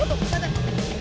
berang berang berang